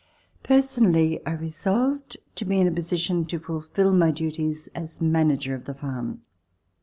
Personally, I resolved to be in a position to fulfill my duties as manager of the farm.